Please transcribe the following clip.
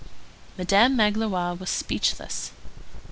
Madame Magloire was speechless.